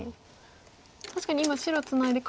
確かに今白ツナいで